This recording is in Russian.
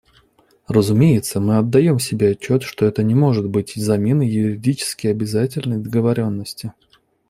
Разумеется, мы отдаем себе отчет, что это не может быть заменой юридически обязательной договоренности.